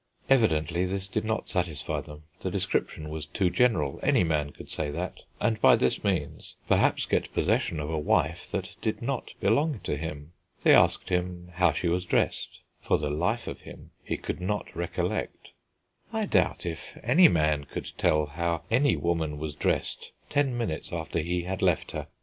Evidently this did not satisfy them, the description was too general; any man could say that, and by this means perhaps get possession of a wife that did not belong to him. They asked him how she was dressed; for the life of him he could not recollect. I doubt if any man could tell how any woman was dressed ten minutes after he had left her.